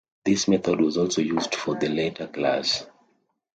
This method was also used for the later class.